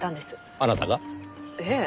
あなたが？ええ。